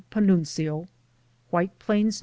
PANUNZIO. White Plains, N.